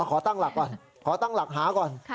ขอตั้งหลักก่อนขอตั้งหลักหาก่อน